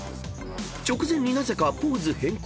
［直前になぜかポーズ変更。